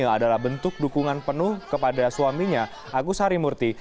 yang adalah bentuk dukungan penuh kepada suaminya agus harimurti